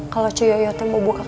kalau ce yoyo tembuk buka kantor